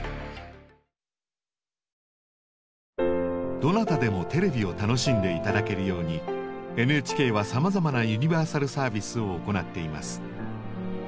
どなたでもテレビを楽しんで頂けるようにＮＨＫはさまざまなユニバーサルサービスを行っています。